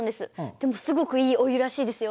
でもすごくいいお湯らしいですよ。